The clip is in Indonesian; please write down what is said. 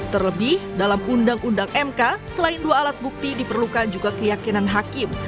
terlebih dalam undang undang mk selain dua alat bukti diperlukan juga keyakinan hakim